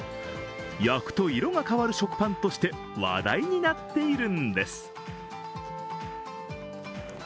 焼くと色が変わる食パンとして話題になっているんです。